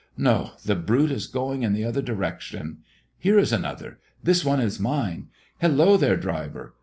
No; the brute is going in the other direction. Here is another. This one is mine. Hello there, driver!